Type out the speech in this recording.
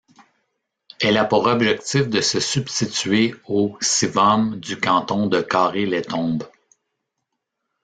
Elle a pour objectif de se substituer au Sivom du canton de Quarré-les-Tombes.